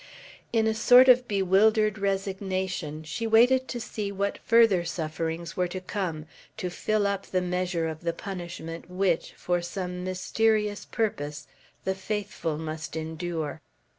In a sort of bewildered resignation she waited to see what further sufferings were to come, to fill up the measure of the punishment which, for some mysterious purpose, the faithful must endure.